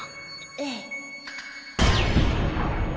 ええ。